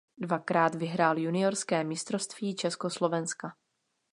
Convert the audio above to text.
Dvakrát vyhrál juniorské mistrovství Československa.